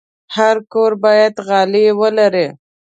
هر کور باید غالۍ ولري.